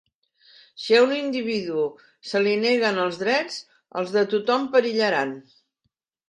Si a un individu se li neguen els drets, els de tothom perillaran.